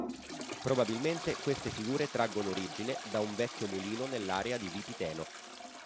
Probabilmente queste figure traggono origine da un vecchio mulino nell'area di Vipiteno.